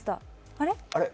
あれ？